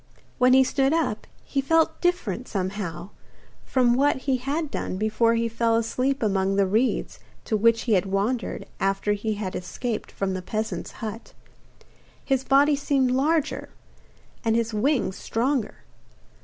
When he stood up, he felt different, somehow, from what he had done before he fell asleep among the reeds to which he had wandered after he had escaped from the peasant's hut. His body seemed larger, and his wings stronger.